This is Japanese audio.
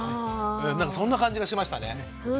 なんかそんな感じがしましたね。